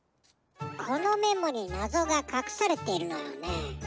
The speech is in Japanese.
このメモになぞがかくされているのよねー。